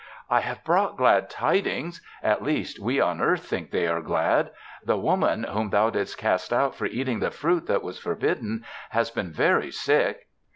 "I have brought glad tidings at least, we on earth think they are glad. The Woman, whom Thou didst cast out for eating the fruit that was forbidden, has been very sick.